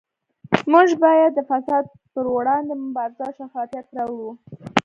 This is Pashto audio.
موږ باید د فساد پروړاندې مبارزه او شفافیت راوړو